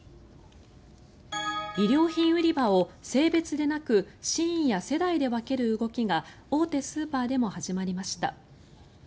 衣料品売り場を、性別でなくシーンや世代で分ける動きが大手スーパーでも始まりました。